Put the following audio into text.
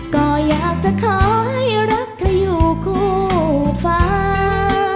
ก็อยากจะขอให้รักเธออยู่คู่ฟ้า